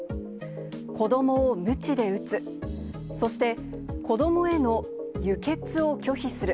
子どもをむちで打つ、そして、子どもへの輸血を拒否する。